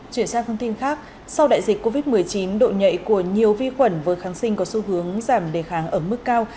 chuyển sang thông tin khác sau đại dịch covid một mươi chín độ nhạy của nhiều vi khuẩn vừa kháng sinh có xu hướng giảm đề kháng ở mức cao